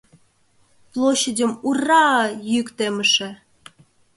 Площадьым «Ура-а-а!» йӱк темыше